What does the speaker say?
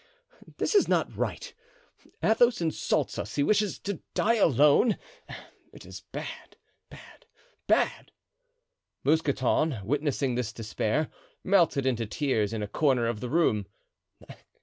"Ah, this is not right; Athos insults us; he wishes to die alone; it is bad, bad, bad." Mousqueton, witnessing this despair, melted into tears in a corner of the room.